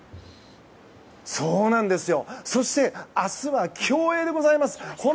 そうなんですよ。